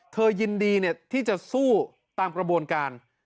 ยินดีที่จะสู้ตามกระบวนการ